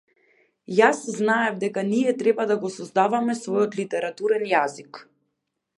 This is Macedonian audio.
Јас знаев дека ние треба да го создаваме својот литературен јазик.